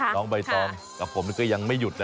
น้องใบตองกับผมก็ยังไม่หยุดนะ